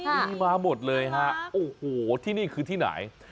มีมาหมดเลยฮะโอ้โหที่นี่คือที่ไหน